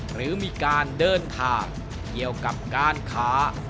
หรือมีการเดินทางเกี่ยวกับการค้า